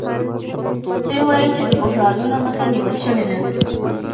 دوی وايي چې د بحرانونو مخه نیول شوې ده